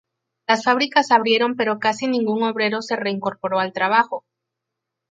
Las fábricas abrieron pero casi ningún obrero se reincorporó al trabajo.